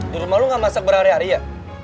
di rumah lu gak masak berhari hari ya